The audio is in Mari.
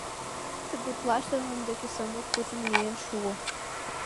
Тыгутлаште нунын деке Санук куржын миен шуо.